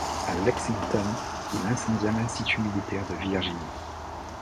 À Lexington, il incendia l'Institut militaire de Virginie.